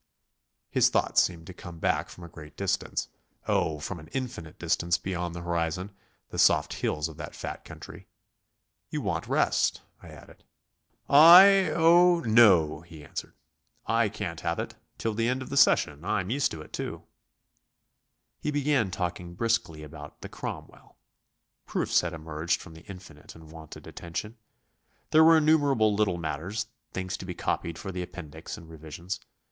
His thoughts seemed to come back from a great distance, oh, from an infinite distance beyond the horizon, the soft hills of that fat country. "You want rest," I added. "I oh, no," he answered, "I can't have it ... till the end of the session. I'm used to it too." He began talking briskly about the "Cromwell;" proofs had emerged from the infinite and wanted attention. There were innumerable little matters, things to be copied for the appendix and revisions.